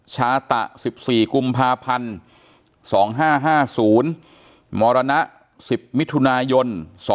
ชาตะ๑๔กุมภาพันธ์๒๕๕๐มรณะ๑๐มิถุนายน๒๕๖